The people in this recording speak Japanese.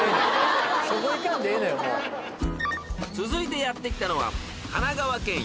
［続いてやって来たのは］